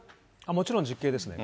もちろん実刑ですね。